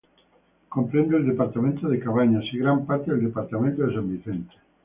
Comprende el departamento de Cabañas y gran parte del departamento de San Vicente.